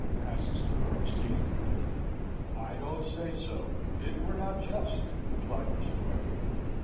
asks the Bernstein. "I don't say so. It were not just," replied Mr. Warrington.